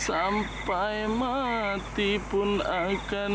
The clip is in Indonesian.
sampai mati pun akan ku perjuang